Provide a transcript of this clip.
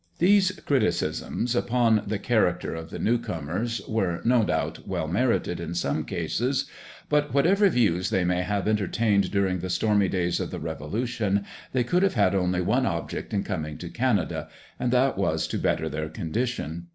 These criticisms upon the character of the new comers were, no doubt, well merited in some cases; but, whatever views they may have entertained during the stormy days of the revolution, they could have had only one object in coming to Canada, and that was to better their condition.